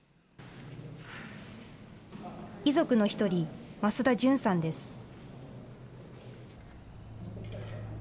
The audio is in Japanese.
遺族の一人、増田潤さんです。